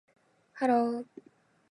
hello